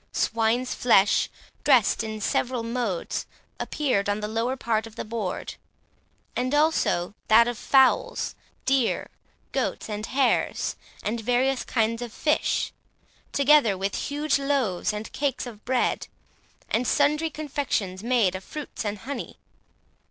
Swine's flesh, dressed in several modes, appeared on the lower part of the board, as also that of fowls, deer, goats, and hares, and various kinds of fish, together with huge loaves and cakes of bread, and sundry confections made of fruits and honey.